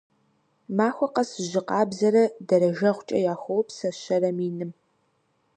Махуэ къэс жьы къабзэрэ дэрэжэгъуэкӀэ яхуоупсэ щэрэ миным.